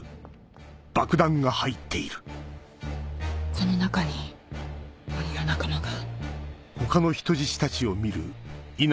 この中に鬼の仲間が。